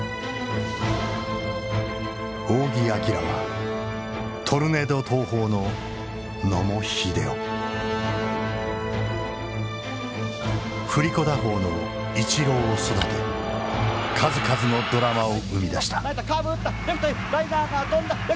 仰木彬はトルネード投法の野茂英雄振り子打法のイチローを育て数々のドラマを生み出した。